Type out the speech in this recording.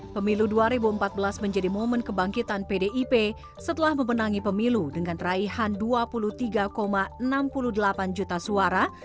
pemilu dua ribu empat belas menjadi momen kebangkitan pdip setelah memenangi pemilu dengan raihan dua puluh tiga enam puluh delapan juta suara